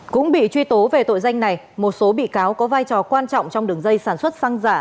cũng bị truy tố về tội danh này một số bị cáo có vai trò quan trọng trong đường dây sản xuất xăng giả